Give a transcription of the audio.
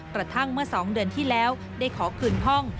กระทั่งเมื่อ๒เดือนที่แล้วได้ขอคืนห้อง